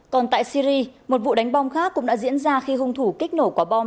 còn tại syri một vụ đánh bom khác cũng đã diễn ra khi hung thủ kích nổ quả bom